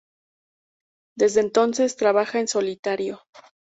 Desde entonces trabaja en solitario.